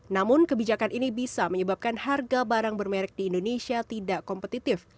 namun kebijakan ini bisa menyebabkan harga barang bermerek di indonesia tidak kompetitif